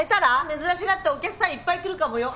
珍しがってお客さんいっぱい来るかもよ。